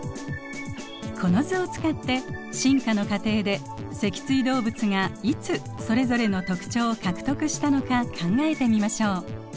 この図を使って進化の過程で脊椎動物がいつそれぞれの特徴を獲得したのか考えてみましょう。